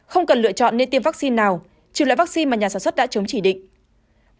không cần lựa chọn nên tiêm vaccine nào trừ loại vaccine mà nhà sản xuất đã chống chỉ định